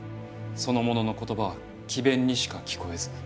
その者の言葉は詭弁にしか聞こえず。